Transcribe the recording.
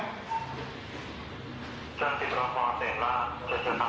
ยอมรับไหมว่าเมาไม่เมา